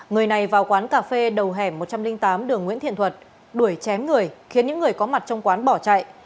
người này vào quán cà phê đầu hẻm một trăm linh tám đường nguyễn thiện thuật đuổi chém người khiến những người có mặt trong quán bỏ chạy